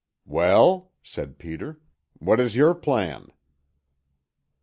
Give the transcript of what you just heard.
"Well?" said Peter. "What is your plan?"